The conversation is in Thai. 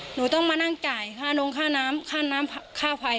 หนูต้องมานั่งจ่ายค่านงค่าน้ำค่าน้ำค่าไฟ